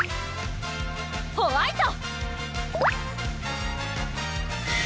ホワイト！